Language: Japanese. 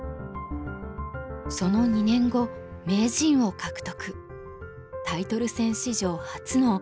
その２年後名人を獲得。